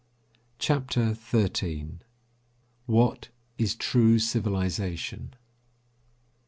CHAPTER XIII WHAT IS TRUE CIVILIZATION?